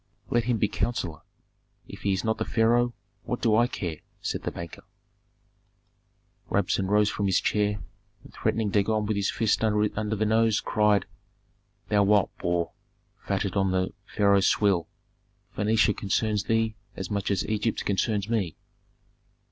"Let him be counsellor; if he is not the pharaoh, what do I care?" said the banker. Rabsun rose from his chair, and threatening Dagon with his fist under the nose, cried, "Thou wild boar, fatted on the pharaoh's swill, Phœnicia concerns thee as much as Egypt concerns me.